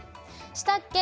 したっけ